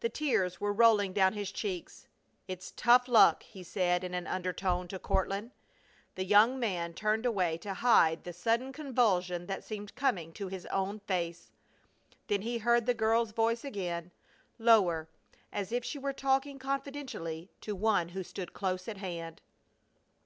The tears were rolling down his cheeks. "It's tough luck!" he said in an undertone to Courtland. The young man turned away to hide the sudden convulsion that seemed coming to his own face. Then he heard the girl's voice again, lower, as if she were talking confidentially to one who stood close at hand.